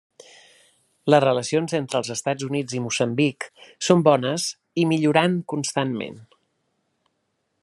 Les relacions entre els Estats Units i Moçambic són bones i millorant constantment.